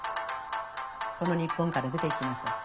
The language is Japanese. この日本から出ていきなさい。